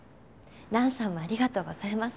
蘭さんもありがとうございます。